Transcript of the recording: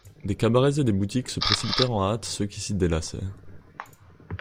Des cabarets et des boutiques se précipitèrent en hâte ceux qui s'y délassaient.